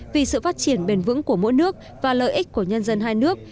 vì sự phát triển bền vững của mỗi nước và lợi ích của nhân dân hai nước